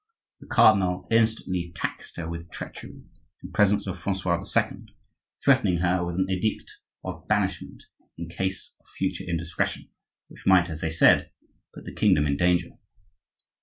The cardinal instantly taxed her with treachery, in presence of Francois II.,—threatening her with an edict of banishment in case of future indiscretion, which might, as they said, put the kingdom in danger.